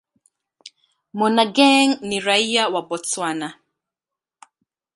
Monageng ni raia wa Botswana.